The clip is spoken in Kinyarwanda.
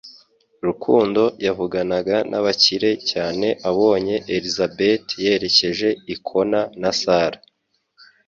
Rukundo yavuganaga nabakire cyane abonye Elisabeth yerekeje i Connor na Sarah